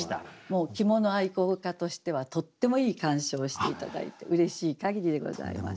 もう着物愛好家としてはとってもいい鑑賞をして頂いてうれしい限りでございます。